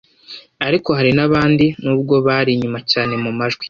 ariko hari n'abandi nubwo bari inyuma cyane mu majwi.